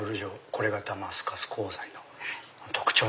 これがダマスカス鋼材の特徴。